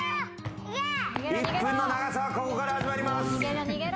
１分の長さはここから始まります。